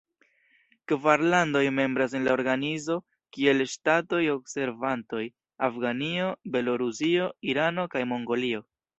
Kvar landoj membras en la organizo kiel ŝtatoj-observantoj: Afganio, Belorusio, Irano kaj Mongolio.